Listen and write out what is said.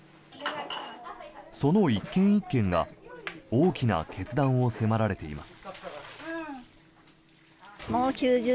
その１軒１軒が大きな決断を迫られています。